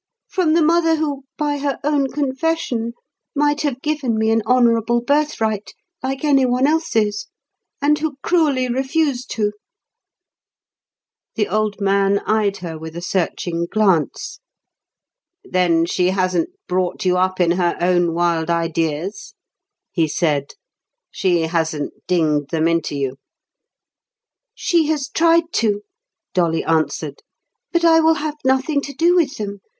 From the mother who, by her own confession, might have given me an honourable birthright, like any one else's, and who cruelly refused to." The old man eyed her with a searching glance. "Then she hasn't brought you up in her own wild ideas?" he said. "She hasn't dinged them into you!" "She has tried to," Dolly answered. "But I will have nothing to do with them.